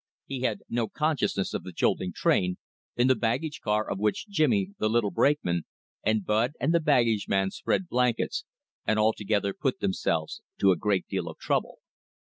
He had no consciousness of the jolting train, in the baggage car of which Jimmy, the little brakeman, and Bud, and the baggage man spread blankets, and altogether put themselves to a great deal of trouble.